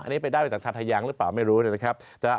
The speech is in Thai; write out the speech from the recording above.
อันนี้ไปได้อยู่ตรงทางถายังหรือเปล่าไม่รู้นะเดี๋ยวครับ